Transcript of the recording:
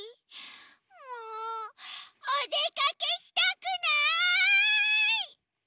もうおでかけしたくない！